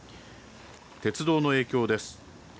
鉄道の影響です。